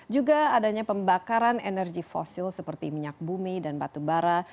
juga adanya pembakaran energi fosil seperti minyak bumi dan batu bara